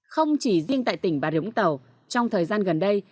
không chỉ riêng tại tỉnh bãi vũng tàu trong thời gian gần đây